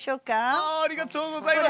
ありがとうございます！